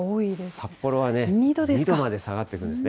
札幌は２度まで下がってくるんですね。